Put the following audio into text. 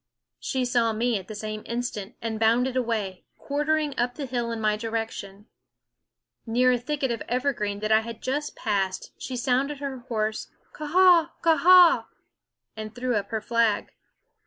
She saw me at the same instant and bounded away, quartering up the hill in my direction. Near a thicket of evergreen that I had just passed, she sounded her hoarse K a a h, k a a h! and threw up her flag.